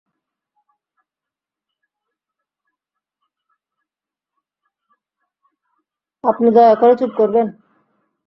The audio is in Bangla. আপনি দয়া করে চুপ করবেন?